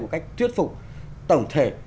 một cách tuyết phục tổng thể